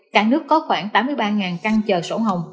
cả nước có khoảng tám mươi ba căn chờ sổ hồng